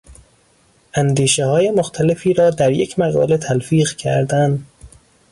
اندیشههای مختلفی را در یک مقاله تلفیق کردن